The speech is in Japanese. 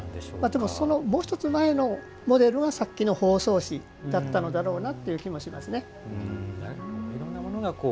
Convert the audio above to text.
もう１つのモデルがさっきの方相氏だったのだろうなという気もしますね。